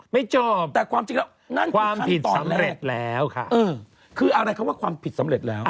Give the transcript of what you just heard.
ไม่จบความผิดสำเร็จแล้วค่ะเออคืออะไรเขาว่าความผิดสำเร็จแล้ว